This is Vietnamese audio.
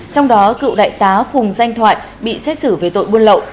trong đó cựu đại tá phùng danh thoại bị xét xử về tội buôn lậu